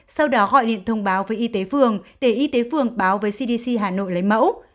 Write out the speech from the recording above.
sau đó gọi điện thông báo với y tế phường để y tế phường báo với cdc hà nội lấy mẫu